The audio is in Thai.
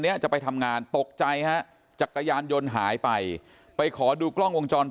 เนี้ยจะไปทำงานตกใจฮะจักรยานยนต์หายไปไปขอดูกล้องวงจร